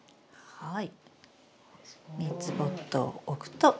はい。